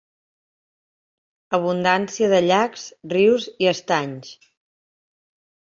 Abundància de llacs, rius i estanys.